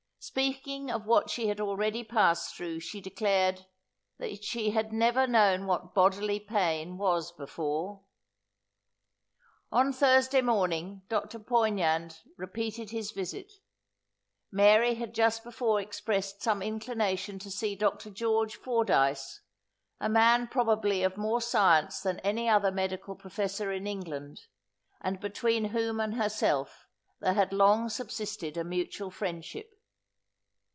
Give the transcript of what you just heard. Speaking of what she had already passed through, she declared, "that she had never known what bodily pain was before." On Thursday morning Dr. Poignand repeated his visit. Mary had just before expressed some inclination to see Dr. George Fordyce, a man probably of more science than any other medical professor in England, and between whom and herself there had long subsisted a mutual friendship.